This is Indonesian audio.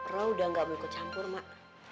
lo udah gak berkecampur mak